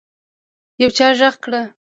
يو چا غږ کړ.